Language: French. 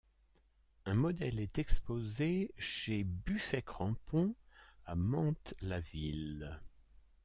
Un modèle est exposé chez Buffet-Crampon à Mantes-la-Ville.